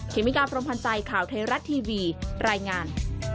เมกาพรมพันธ์ใจข่าวไทยรัฐทีวีรายงาน